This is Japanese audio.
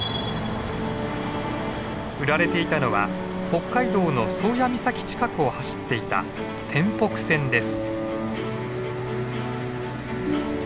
売られていたのは北海道の宗谷岬近くを走っていた天北線です。